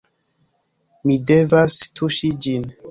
Mi devas tuŝi ĝin